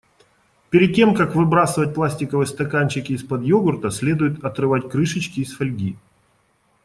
Перед тем как выбрасывать пластиковые стаканчики из-под йогурта, следует отрывать крышечки из фольги.